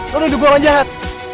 lu duduk orang jahat